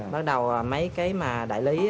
bắt đầu mấy cái mà đại lý